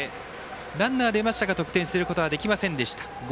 ランナー出ましたが得点することできませんでした。